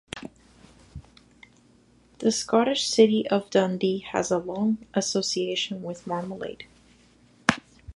The Scottish city of Dundee has a long association with marmalade.